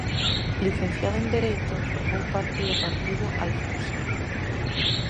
Licenciado en Dereito, formou parte do Partido Alfonsino.